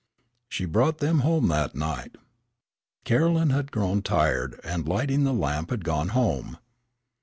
She brought them home that night. Caroline had grown tired and, lighting the lamp, had gone home.